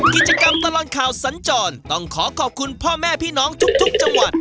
กิจกรรมตลอดข่าวสัญจรต้องขอขอบคุณพ่อแม่พี่น้องทุกจังหวัด